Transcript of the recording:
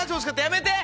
やめて！